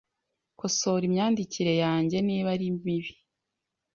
Kosora imyandikire yanjye niba ari bibi.